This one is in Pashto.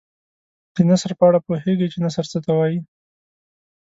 د نثر په اړه پوهیږئ چې نثر څه ته وايي.